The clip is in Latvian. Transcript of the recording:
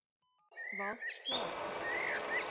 Valsts svētki